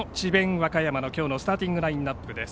和歌山のきょうのスターティングラインナップです。